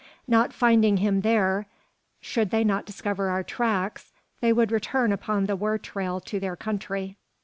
Not finding him there, should they not discover our tracks, they would return upon the war trail to their country.